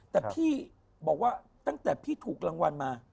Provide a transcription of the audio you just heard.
แต่พี่บอกว่าตั้งแต่พี่ถูกรางวัลมา